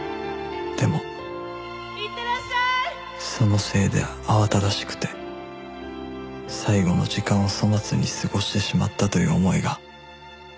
でもそのせいで慌ただしくて最後の時間を粗末に過ごしてしまったという思いがずっとあとまで残った